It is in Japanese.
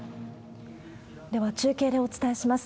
では、中継でお伝えします。